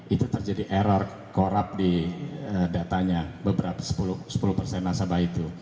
itu terjadi error corrup di datanya beberapa sepuluh persen nasabah itu